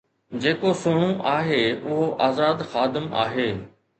جيڪو سهڻو آهي اهو آزاد خادم آهي